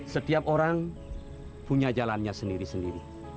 setiap orang punya jalannya sendiri sendiri